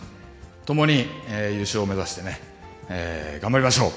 共に優勝を目指してね、頑張りましょう。